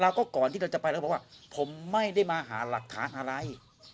แล้วก็ก่อนที่เราจะไปแล้วบอกว่าผมไม่ได้มาหาหลักฐานอะไร